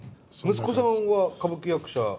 息子さんは歌舞伎役者。